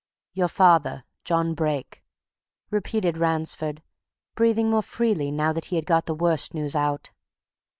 "Your father John Brake," repeated Ransford, breathing more freely now that he had got the worst news out.